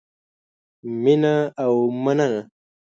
مینه او مننه